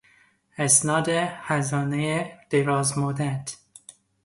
اسناد خزانهی دراز مدت